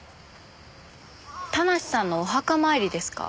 田無さんのお墓参りですか？